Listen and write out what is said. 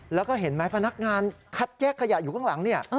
แล้วก็เห็นไหมพนักงานคัดแยกขยะอยู่ข้างหลังเนี่ย